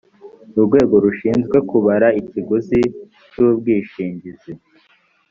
urwego rushinzwe kubara ikiguzi cy’ubwishingizi